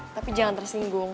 tapi jangan tersinggung